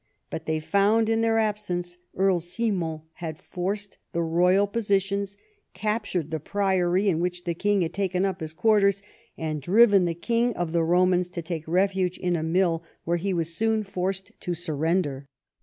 But they found that in their absence Earl Simon had forced the royal positions, captured the priory in which the king had taken up his quarters, and driven the King of the Romans to take refuge in a mill, where he was soon forced to surrender.